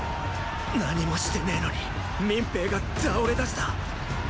何もしてねェのに民兵が倒れだした！